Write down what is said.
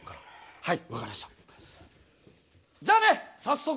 はい。